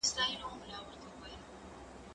زه اوس ليک لولم!.